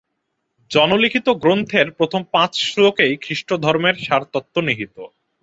জন-লিখিত গ্রন্থের প্রথম পাঁচ শ্লোকেই খ্রীষ্টধর্ম্মের সারতত্ত্ব নিহিত।